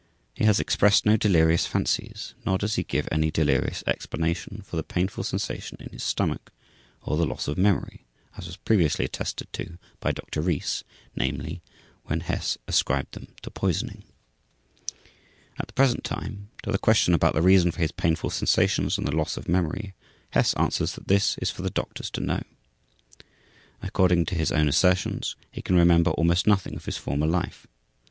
He has expressed no delirious fancies nor does he give any delirious explanation for the painful sensation in his stomach or the loss of memory, as was previously attested to by Doctor Rees, namely, when Hess ascribed them to poisoning. At the present time, to the question about the reason for his painful sensations and the loss of memory, Hess answers that this is for the doctors to know. According to his own assertions, he can remember almost nothing of his former life.